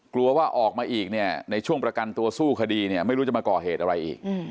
กลัวว่าออกมาอีกเนี่ยในช่วงประกันตัวสู้คดีเนี่ยไม่รู้จะมาก่อเหตุอะไรอีก